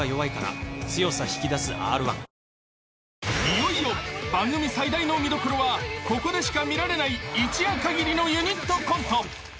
［いよいよ番組最大の見どころはここでしか見られない一夜かぎりのユニットコント］